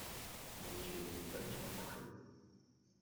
完全唔想再睇